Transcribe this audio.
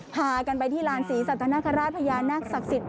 พากันไปที่ลานศรีสัตนคราชพญานาคศักดิ์สิทธิ